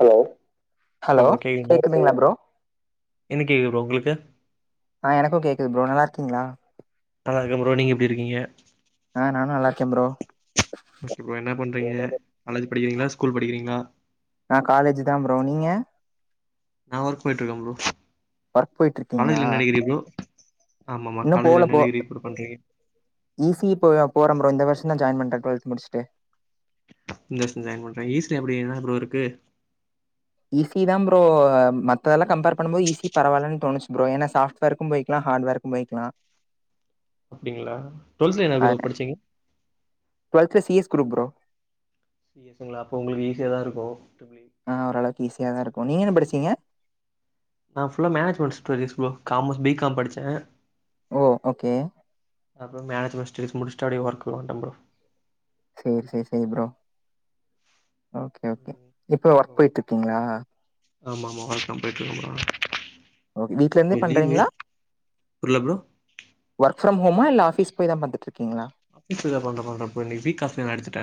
Hello hello bro கேக்குதா கேக்குதுங்களா bro எனக்கு கேக்குது ப்ரோ உங்களுக்கு? ஆ எனக்கு கேக்குது ப்ரோ நல்லா இருக்கீங்களா? நல்லா இருக்க ப்ரோ நீங்க எப்டி இருக்கீங்க? ஆ நானு நல்லா இருக்கே ப்ரோ புஷ்கி ப்ரோ என்ன பண்றீங்க காலேஜ் படிக்கிறீங்களா ஸ்கூல் படிக்கிறீங்களா நா காலேஜ் தா ப்ரோ நீங்க? நா ஒர்க் போய்ட்டு இருக்க ப்ரோ. ஒர்க் போய்ட்டு இருக்கீங்களா? காலேஜ்ல என்ன டிகிரி ப்ரோ ஆமாமா இன்னு போல காலேஜ்ல என்ன ப்ரோ டிகிரி பண்றீங்க ஈசி போ போற ப்ரோ இந்த வருஷ தா ஜாயின் பண் டொல்த் முடிச்ட்டு. இந்த வருஷோ ஜாயின் பண்றே ஈஸ்ட் அப்படி என்ன ப்ரோ இருக்கு ஈஸி தா ப்ரோ மத்ததெல்லா கம்பேர் பண்ணும்போது ஈஸி பரவால்லனு தோணுச்சு ப்ரோ ஏனா சாப்ட்வேர்க்கு போயிக்கலா ஹார்ட்வேர்க்கு போய்கிக்கலா. அப்படிங்களா டுவெல்த்ல என்ன ப்ரோ படிச்சீங்க? டுவெல்த்ல C S group bro C S ங்கலா அப்போ உங்களுக்கு ஈஸியா தா இருக்கு ட்ரிபிள் இ ஆ ஓரளவுக்கு ஈசி. யா தா இருக்கு நீங்க என்ன படிச்சீங்க? புல்லா management stories bro commerce B com படிச்சே ஓ ஓகே அப்போ மேனேஜ் முடிச்ட்டு [unintelligible] ஸாடே ஒர்க் வன்டா ப்ரோ சேரி சேரி சேரி ப்ரோ ஓகே ஓகே இப்போ ஒர்க் போயிட்டு இருக்கீங்களா ஆமா ஆமா வொர்க் தா போய்ட்டு இருக்க ப்ரோ ஓகே வீட்ல இருந்தே லீவு பண்றீங்களா ஒர்க் புரில ப்ரோ வொர்க் ஃப்ரம் ஹோமா இல்ல ஆபிஸ் போய்தா பாத்துட்டுருக் ஆபீஸ்ல பண்ற மார் தா ப்ரோ இன்னைக்கு வீக் ஆப் நா எடுத்துட்டே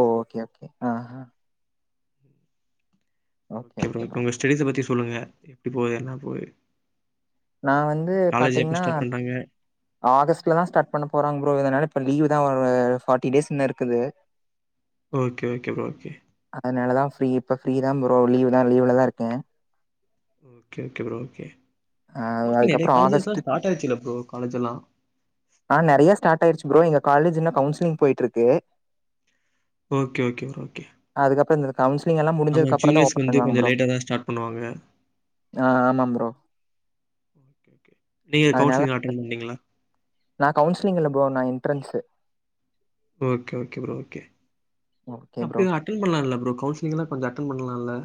ஓ ஓகே ஓகே ஆஹா ஓகே ப்ரோ இப்ப உங்க ஸ்டெடிஸ் பத்தி சொ சொல்லுங்க எப்படி போது என்ன போது நா வந்து பாத்தீங்னா ஆகஸ்ட்ல தா ஸ்டார்ட் பண்ண போறாங்க ப்ரோ அதனால இப்ப லீவ் தா ஒரு ஃபாட்டி டேஸ் இன்னு இருக்குது. ஓகே ஓகே பா ஓகே அதனாலதா ஃப்ரீ இப்ப ஃப்ரீதா ப்ரோ லீவ்தா லீவ்லதா இருக்கே கே ஓகே ப்ரோ ஓகே அது மோஸ்ட்லி நெறய அதுக்கப்புறம் ஆகஸ்ட் காலேஜஸ்லா ஸ்டார்ட் ஆயிருச்சுல ப்ரோ காலேஜெல்லா ஆஹ் நெறய ஸ்டாட்டாயிருச்சு புரோ, எங்க காலேஜ்ன கவுன்சிலிங் போயிட்டுருக்கு. ஓகே ஓகே ப்ரோ ஓகே கவுன்சிலிங்கல்லா ஆமா முடிஞ்சதுக்கப்பறந்தா ஜூனியர்ஸ்க்கு ஓஃபன் வந்து பண்ணுவாங்க கொஞ்சோ புரோ, லேட்டா தா ஸ்டார்ட் பண்ணுவாங்க அ ஆமாம் புரோ ஓகே நீங்க கவுன்சிலிங் அட்டன் பண்ணிங்களா நா கவுன்சிலிங் இல்ல ப்ரோ நா entrance okay okay bro okay okay bro அப்பயு அட்டன் பண்ணலால புரோ கவுன்சு நீங்களா கொஞ்ச அட்டன் பண்லால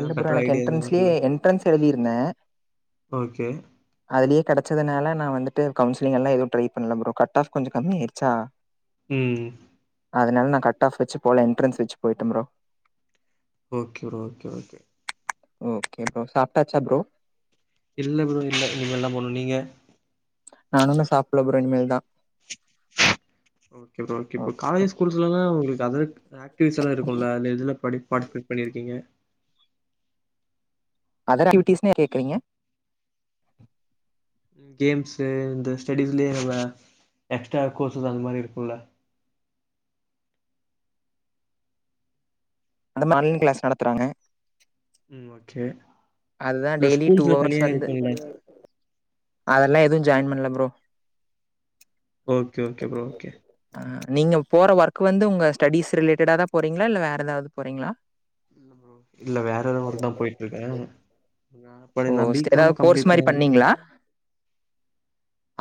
இல்ல புரோ எனக்கு என்ட்ரன்ஸ்லயே என்ட்ரன்ஸ் எழுதிருந்தே ஓகே அதுலயே கெடைச்சதுனால நா வந்துட்டு கவுசிலிங்லா எதுவு ட்ரை பண்ணல ப்ரோ கட் ஆஃப் கொஞ்ச கம்மி ஆயிடுச்சா ம் அதனால நா கட்ஆஃப் வச்சு போல என்ட்ரன்ஸ் வச்சு போய்ட்டே bro okay bro okay okay okay bro சாப்ட்டாச்சா புரோ இல்ல புரோ இல்ல நீங்க இனிமேல்தா போனு நீங்க நானு இன்னு சாப்புல புரோ இனிமேல்தா ஓ okay bro okay bro colleges ஸ்கூல்ஸ்லலா உங்களுக் [unintelligible] ப்ராக்ட்டிஸ்லா இருக்குல்ல அந்த இதுல படிப் பார்ட்டிசிபேட் பண்ணிருக்கீங்க அதர் ஆக்டிவிட்டீஸ் [inaudible] கேக்குறீங்க கேம்ஸு இந்த ஸ்டடீஸ்லியே வெ எக்ஸ்ட்ரா கோர்சஸ் அந்த மாரி இருக்குல்ல அந்த மாரி ஆன்லைன் கிளாஸ் நடத்துறாங்க உம் ஓகே அதுதா இல்ல டெய்லி டூ ஸ்கூல்ஸ்ல அவர்ஸ் தனியா வந்து இருக்குல்ல அதெல்லா எதுவும் ஜாயின் பண்ணல bro okay okay bro okay அ நீங்க போற ஒர்க் வந்து உங்க ஸ்டடீஸ் ரிலேட்டடாதா போறீங்களா இல்ல வேற எதாவ்து போறீங்களா இல்ல வேற எதோ ஒர்க்தா போயிட்டு இருக்கே ஓ! [unintelligible] நா பி காம் ஏதாவது கோர்ஸ் கம்ப்ளிட் மாரி பண்ணிருந்த பண்ணீங்களா?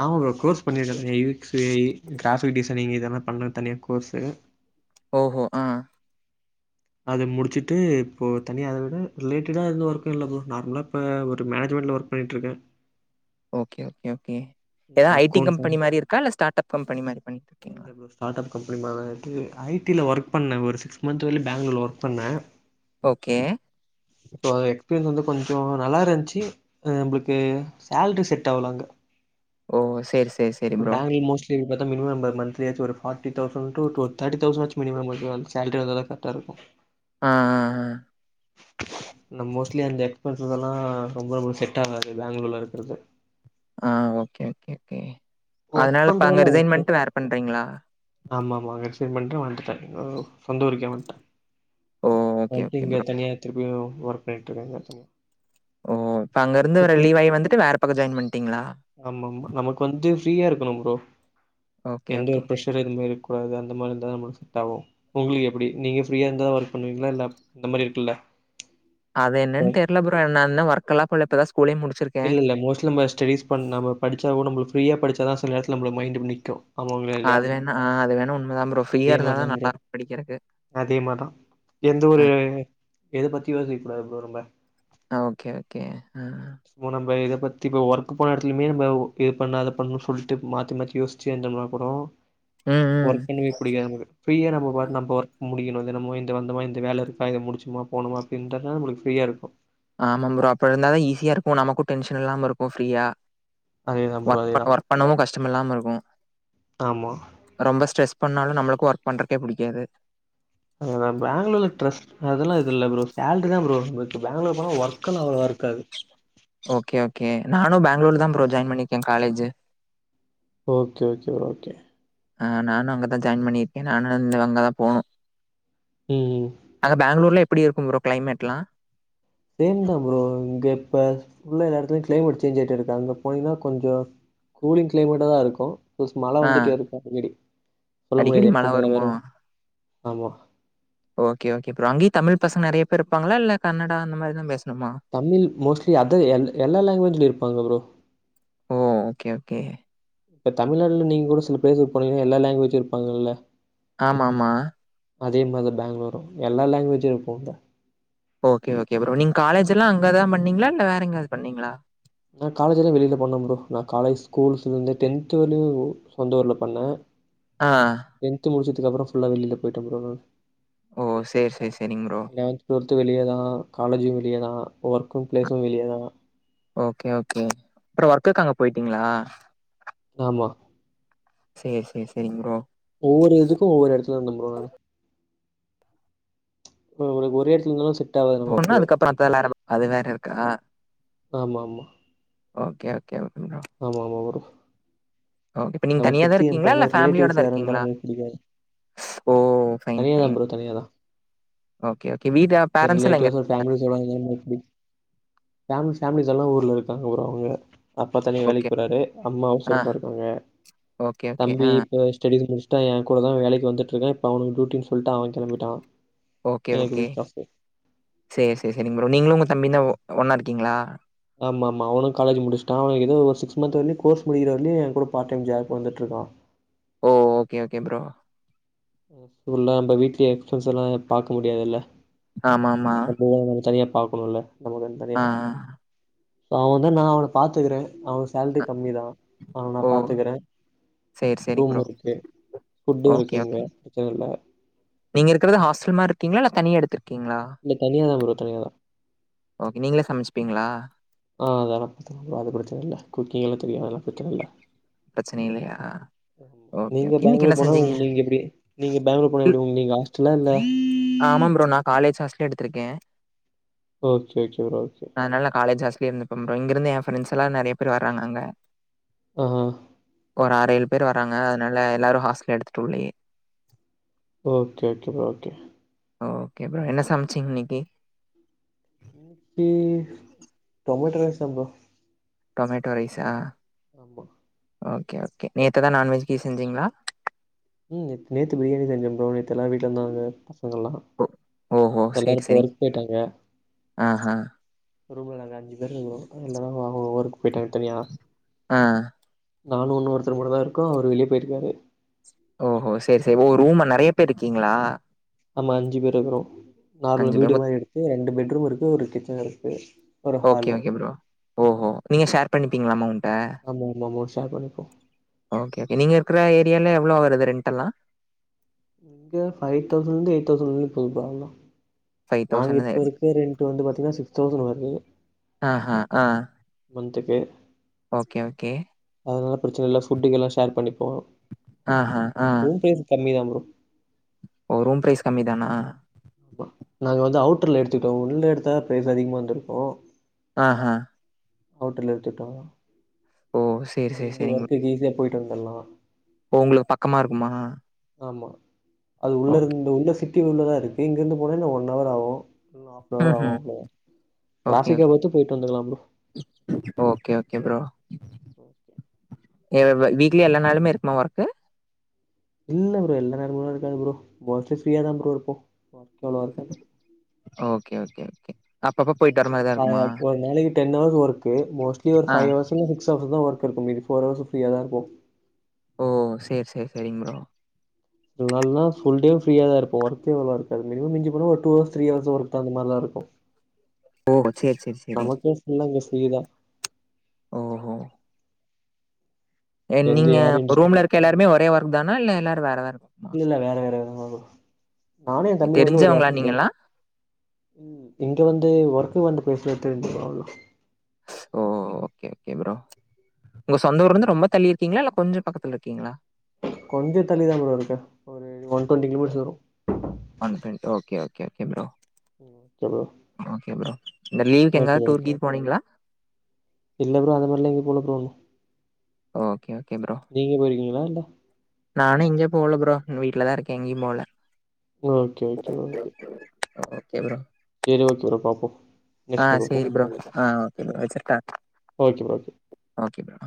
ஆமா ப்ரோ கோர்ஸ் பண்ணிருக்க [unintelligible] பேயி கிராஃபிக் டிசைனிங் இதெல்லா பண்ணற தனியா கோர்ஸ் ஓஹோ ஆஹ் அத முடிச்சுட்டு இப்போ தனியா அத விட ரிலேட்டடா எந்த ஒர்க்கும் இல்லை ப்ரோ நார்மலா இப்போ ஒரு மேனேஜ்மெண்ட்ல ஒர்க் பண்ணிட்டு இருக்க ஓகே ஓகே ஓகே எதா I T accounts company and மாரி இருக்கா இல்ல ஸ்டார்ட்அப் கம்பெனி மாரி பண்ணிட்டு இருக்கீங்ளா இல்ல டில ஒர்க் பண்ண ஒரு சிக்ஸ் மந்த் வர்லு பேங்களூர்ல ஒர்க் பண்ண ஓகே. இப்போ எக்ஸ்பீரியன்ஸ் வந்து கொஞ்சோ நல்லா இருந்துச்சு நம்மளுக்கு சேலரி செட் ஆவுல அங்க ஓ செரி செரி செரி ப்ரோ இந்த மினிமம் நம்பர் மந்த்லியாச்சு ஒரு ஃபாட்டி தௌஸன் டு டுவ த்ர்ட்டி தௌஸனாச்சும் மினிமம் வந்து சேலரி வந்தாதா கரெக்டா இருக்கு ஆஹ் ஹ்ஹ் நம் மோஸ்லி அந்த எக்ஸ்பென்சசெல் அஹ் ரொம்ப ரொம்ப செட் ஆகாது பெங்களூர்ல இருக்கிறது ஆஹ் ஓகே ஓகே ஓகே ஒர்க் அதனாலப்ப அங்க பண்றதெல்லாம் ரிசைன் ஓகே. பண்ணிட்டு வேற பண்றீங்ளா ஆமாமா. ரிசைன் பண்ணிட்டு நா வந்துட்ட சொந்த ஊருக்கே வண்ட ஓ! ஓகே, வண்ட்டு ஓகே இங்க ப்ரோ. தனியா திரிப்பியு ஒர்க் பண்ணிட்டுருக்க எதாச்சு ஓ இப்ப அங்க இருந்து ரிலீவ் ஆயி வந்துட்டு வேற பக்கோ ஜாயின் பண்ணிட்டீங்ளா ஆமாமா. நமக்கு வந்து ஃப்ரீயா இருக்கணும் ப்ரோ எந்த ஓகே. ஒரு ப்ரெஷர் எதுமே இரு கூடாது அந்த மாரி இருந்தா நமக்கு செட் ஆகு உங்களுக்கு எப்படி நீங்க ஃப்ரீயா இருந்தா ஒர்க் பண்ணுவீங்ளா இல்ல இந்த மாரி இருக்குல்ல அது என்னனு ம். தெர்ல ப்ரோ நா இன்னு வொர்க்கெல்லா புள்ள இப்பதா இல்ல இல்ல மோஸ்ட்லி நம்ம ஸ்டடீஸ் பண்ண நம்ம படிச் ஆகணு நம்மல பிரீயா படிச் தா சில நேரத்துல நம்மல மைண்டு நிக்கு அது வேணா ஆஹ் அது வேணா உண்மதான் ப்ரோ ஃப்ரீயா அதே மாரி இருந்தாதா தான் நல்லா ப்ரோ. இருக்கு படிக்கிறதுக்கு அதே மாரி தான். எந்த ஒரு எத பத்தியும் யோசிக்கக்கூடாது ப்ரோ நம்ம. ஆஹ் ஓகே ஓகே ஆஹ் இப்போ நம்ம இத பத்தி இப்ப ஒர்க் போன இடத்திலுமே நம்ம இது பண்ணாத பண்ணுனு சொல்ட்டு மாத்தி மாத்தி யோசிச்சு இருந்தம்னா கூடோ ம், ம். ஒர்க் பண்ணவே புடிக்காது நமக்கு ஃப்ரீயா நம்மபாட்டுனு நம்ம ஒர்க் முடிக்கணு தினமும் இந்த வந்தமா இந்த வேல இருக்கா இத முடிச்சமா போனமா அப்படி இந்தாதா நம்மளுக்கு ப்ரீயா இருக்கு ஆமாம் ப்ரோ அப்படி இருந்தாதா ஈஸியா இருக்கு நமக்கு டென்ஷன் இல்லாம இருக்கு ஃப்ரீயா அதேதான் ப்ரோ ஒர்க அதேதான் ஒர்க் பண்ணவு கஷ்டம் இல்லாம இருக்கு ஆமா ரொம்ப ஸ்ட்ரெஸ் பண்ணாலும் நம்மளுக்கு ஒர்க் பண்றகே புடிக்காது அதான் பெங்களூர்ல ட்ரஸ்ட் அதெல்லா எது இல்ல ப்ரோ சேலரிதான் ப்ரோ நம்ளுக்கு இப்ப பேங்களூர் போனா ஒர்க் நல்லா அவ்ளவா இருக்காது ஓகே ஓகே நானும் பெங்களூர்வதான் ப்ரோ ஜாயின் பண்ணிருக்கேன் college okay okay bro okay ஆஹ் நானு அங்கதா ஜாயின் பண்ணிருக்கே நானும் அங்க அங்கதா போணு ம் அங்க பேங்ளூர்ல எப்டி இருக்கும் ப்ரோ கிளைமேட்லா சேம்தா ப்ரோ இங்க இப்ப ஃபுல்லா எல்லா எடத்துலயு கிளைமேட் சேஞ்ச் ஆயிட்டு இருக்கு அங்க போனீங்கன்னா கொஞ்சொ கூலிங் கிளைமேட்டாதா இருக்கு போஸ் மழ ஆ வந்துட்டே இருக்கு முன்னாடி சொல்ல அடிக்கடி முடியாது எப்பொ மழை மழ வருமா? வரு ஆமா ஓகே ஓகே ப்ரோ அங்கேயு தமிழ் பசங்க நெறைய பேர் இருப்பாங்களா இல்ல கன்னடா அந்த மாதிரிதா பேச தமிழ் மோஸ்ட்லி அத எல் எல்லா லாங்குவேஜ்லய் இருப்பாங்க ப்ரோ ஓ! Okay, okay. இப்ப தமிழ்நாட்டுல நீங்க கூட சும பேசி பழகுனீங்கனா எல்லா லாங்குவேஜும் இருப்பாங்கல்ல ஆமமா அதே மாதிரி பேங்ளூரு எல்லா லாங்குவேஜு இருக்கு ஓகே ஓகே ப்ரோ நீங்க காலேஜ்ல்லா அங்கதா பண்ணீங்களா இல்ல வேற எங்காது பண்ணீங்களா நா காலேஜ்ல்லா வெளிய போனே ப்ரோ நா காலேஜ் ஸ்கூல்ஸ்லேந்து டென்த் வரையு சொந்த ஊர்ல பண்ண ஆ. டென்த் முடிச்சுட் அதுக்கப்பறொ ஃபுல்லா வெளியில போயிட்டம் ப்ரோ ஓ! சரி, சரி, சரிங்க ப்ரோ. லவன்த் டுவெல்த் வெளியதா காலேஜு வெளியதா ஒர்க்கு ஃபிளேஸு வெளியேதா ஓகே ஓகே அப்பறொ ஒர்க்குக் அங்க போயிட்டீங்களா ஆமா சரி சரி சரிங் ப்ரோ ஒவ்வொரு [unintelligible] ப்ரோ நானு உங்களுக்கு ஒரே இடத்துல இருந்தாலா செ போனா அதுக்கப்பற [unintelligible] அது வேற இருக்கா ஆமா ஆமா ஓகே ஓகே ஓ ஆமா ஆமா வரு ஓகே இப்ப நீங்க தனியாதா இருக்கீங்களா பக்க இல்ல ஃபேமிலியோட ரிலேட்டிவ்ஸ் தா யாரா இருந்தாலும் இருக்கீங்களா நமக்கு பிடிக்காது. ஓ ஃபைன் தனியா தான் ஃபைன் ப்ரோ தனியா தான். ஓகே ஓகே வீட இந்த பேரன்ஸ்லாம் எங்க ரிலேட்டிவ்ஸோட அ ஃபேமிலிஸோட இருந்தாலும் பிடி ஃபேமிலி ஃபேமிலிஸ் எல்லா ஊர்ல இருக்காங்க ப்ரோ அவங்க அப்பா தனியா ஓகே. வேலைக்கு போறாரு அம்மா ஆ. ஹவுஸ்ஒஃய்பா இருக்காங்க ஓகே ஓகே ஆஹ் டி முடிச்சிட்டா என்கூடதா வேலைக்கு வந்துட்டு இருக்கான் இப்ப அவனுக்கு டூட்டின்னு சொல்ட்டு அவன் கெளம்பிட்டா ஓகே ஓகே சரி சரி சரிங்க ப்ரோ நீங்களு உங்க தம்பியுந்தா ஒ ஒன்னா இருக்கீங்களா ஆமா ஆமா அவனும் காலேஜ் முடிச்சிட்டான் அவனுக்கு எதோ ஒரு சிக்ஸ் மந்த் வர்லியு கோர்ஸ் முடிக்கிற வர்லியு என் கூட பார்ட் டைம் ஜாப் வந்துட்டுருக்கா ஓ ஓகே ஓகே ப்ரோ ம் ஃபுல்லா நம்ப வீட்லே எக்ஸ்பென்ஸ் எல்லா பாக்க முடியாதுல்ல ஆமாமா. நம்ப எதுனாலு தனியா பாக்கணுல்ல நமக்குன்னு தனியா ஆ, அவன் தான் நான் அவன பாத்துக்கறேன் அவன் சேல்ரி ஆ. கம்மி தான் ஆனா நான் ஓ! பாத்துக்கறேன் சரி, சரிங்க ரூம் ப்ரோ. இருக்கு ஃபுட்டும் ஓகே, இருக்குங்க ஓகே. ச இல்ல நீங்க இருக்கறது ஹாஸ்டல் மாரி இருக்கிங்களா இல்ல தனியா எடுத்துரு இல்ல தனியாதான் ப்ரோ தனியாதான் ஓகே. நீங்களே சமைச்சுப்பீங்களா? ஆஹ் அதல்ல அது பிரச்சன இல்ல குக்கிங்கலா தெரியு அதுலாம் பிரச்சன இல்ல பிரச்சனை இல்லையா? ஓகே, நீங்க ஓகே. இன்னைக்கு பேங்களூர் என்ன போனா உ செஞ்சீங்க? நீங்க எப்படி நீங்க பேங்களூர் போனா இல் எப்படி உங்க நீங்க ஹாஸ்டல்லா இல்ல ஆமா ப்ரோ. நான் காலேஜ் ஹாஸ்டலே எடுத்திருக்கேன் ஓகே ஓகே ப்ரோ ஓகே லே இருந்துப்பன் ப்ரோ இங்க இருந்து என் ப்ரண்ட்ஸ்லாம் நெறையா பேர் வராங்க அங்க ம் ஹ் ஒரு ஆறு ஏல் பேர் வராங்க அதனால எல்லாரும் ஹாஸ்டல் எடுத்துட்டு உள்ளயே okay okay bro okay okay bro என்ன சமச்சிங்க இன்னிக்கு க்கி டொமேட்டோ ரைஸ்தா ப்ரோ டொமேட்டோ ரைசா ஆமா ஓகே ஓகே நேத்துதான் நான்வெஜ்கீ செஞ்சீங்களா உம் நேத்து நேத்து பிரியாணி செஞ்சோ ப்ரோ நேத்து எல்லா வீட்டு்ல இருந்தாங்க பச ங்கலா ஓ ஓஹோ! எல்லாரும் சரி, இப்ப சரிங்க. ஒர்க் போயிட்டாங்க ஆஹா. ரொம்ப நல்லாந்து [unintelligible] எல்லாரு அவ்ங்கவங்க ஊருக்கு போயிட்டாங்க தனியா ஆ. நானு உன்ன ஒருத்தரு மட்டுதா இருக்கோ அவரு வெளிய போயிருக்காரு ஓ ஹோ சேரி சேர் ஒ ரூம்ம நெறைய பேர் இருக்கீங்ளா ஆமா அஞ்சு பேரு இக்றோ நார்மல் பேர். வீடு மொத் மாரி எடுத்து ரெண்டு பெட்ரூம் இருக்கு ஒரு கிச் [unintelligible] ஓகே ஓகே ப்ரோ ஓஹோ நீங்க ஷேர் பண்ணிப்பிங்ளா அமௌன்ட்ட ஆமா ஆமா மூணு ஷேர் பண்ணிப்போ இங்கெல்லா எவ்ளோ வருது ரெண்ட்டெல்லா இங்க ஃபைவ் தௌசண்ட்ந்து எயிட் தௌசண்ட் [unintelligible] போதுப்பா எல்லா நாங்க இப்ப இருக்க ரெண்ட்டு வந்து பாத்தீங்னா சிக்ஸ் தௌசண்ட் வருது ஆஹா. ஆ. மன்த்துக்கு ஓகே ஓகே அதனால பிரச்சன இல்ல ஃபுட்டுங்கெல்லா ஷேர் பண்ணிப்போ ஆஹா. ஆ. ரூம் பிரைஸ் கம்மிதாம் பொ ஓ ரூம் பிரைஸ் கம்மி தானா மா நாங்க வந்து அவுட்ருல எடுத்துட்டோ உள்ள எடுத்தா பிரைஸ் அதிகமா வந்துருக்கு ஆஹா அவுட்ருல எடுத்துட்டோ ஓ! சரி, இங்கருந்து ஒர்க்குகு ஈஸியா பொய் [unintelligible] உங்களுக் பக்கமாருக்குமா ஆமா அது உள்ளருந்து உள்ள சிப் [unintelligible] உள்ளதாருக் இங்கர்ந்து போனா என்னா ஒன் அவராவு [unintelligible] ஹாஃபனவராவு ம்ஹ்ம். ப்ரோ ஓகே, ட்ராஃபிக்க ஓகே. பொத்து பொயிட்டு வந்துக்கலா bro okay, okay bro. Okay [unintelligible] weekly எல்லா நாளுமே இருக்குமா வொர்க்கு இல்ல ப்ரோ எல்லா நேரமுலா இருக்காது ப்ரோ மோஸ்ட்லி ஃப்ரீயா தா ப்ரோ இருப்போ [unintelligible] ஓகே ஓகே ஓகே அப்பப்ப போயிட்டு ஒரு வர மாரி தான் ப இருக்குமா? ஒரு நாளைக்கு டென் ஹவர்ஸ் ஒர்க்கு மோஸ்ட்லி ஒரு ஆ. ஃபைவ் ஹவர்ஸு இல்ல சிக்ஸ் ஹவர்ஸ் தா ஒர் [unintelligible] மீதி ஃபோர் ஹவர்ஸு ஃப்ரீயா தா இருப்போ ஓ சேர் சேர் செரிங் ப்ரோ நல்லா ஃபுல்டே ஃப்ரியா தாருப்போ ஒர்க்குகளா இருக்காது மினிமம் மிஞ்சி போனா ஒரு two hours three hours work தா அந்த மாரிதாருக்கு ஓ! சரி, சரி, சரி. நமக்கே ஃபுல்லா இங்க ஃபிரீ தா ஓஹோ! எ எந்த நீங்க யாரையு டிஸ்டர்ப் ரூம்ல பண்ண தேவ இல்ல இருக்கெல்லாருமே ஒரே ஒர்க் தானா இல்ல எல்லாரு வேற வேற இல்ல [inaudible] நானு என் தம்பியு ஒரே தெரிஞ்சவங்களா ஆபிஸ் நீங்கலாம்? [unintelligible] இங்க வந்து ஒர் வந்து பேசுனா தெரிஞ்சுரு [unintelligible] ஸ் ஓ ஓ ஓகே ஓகே ப்ரோ உங்க சொந்த ஊர்லருந்து ரொம்ப தள்ளி இருக்கீங்ளா இல்ல கொஞ்ச பக்கத்துல இருக்கீங்ளா கொஞ்ச தள்ளி தா ப்ரோ இருக்க ஒரு ஒன் டுவெண்டி கிலோமீட்ரு வரு one [unintelligible] okay okay bro okay bro okay bro. இந்த லீவுக்கு ஓகே எங்கயாவது ப்ரோ டூர் கீர் போனீங்களா? இல்ல ப்ரோ அது மாரிலா எங்கயு போல ப்ரோ ஓகே ஓகே ப்ரோ நீங்க போயிருக்கீங்களா இல்ல? நானு எங்கயு போல ப்ரோ வீட்லதா இருக்கே எங்கேயு போல okay okay okay okay bro சரி ஓகே ப்ரோ பாப்போம். நெக்ஸ்ட் ஆஹ் டைம் பாப்போம். சேரி ப்ரோ ஆஹ் ஓகே ப்ரோ வச்சிர்டா. Okay bro okay. Okay bro